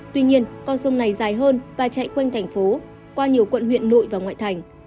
tuy nhiên con sông này dài hơn và chạy quanh thành phố qua nhiều quận huyện nội và ngoại thành